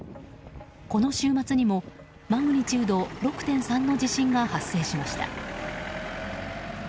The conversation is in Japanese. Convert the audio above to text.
この週末にもマグニチュード６．３の地震が発生しました。